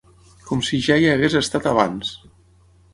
Com si ja hi hagués estat abans.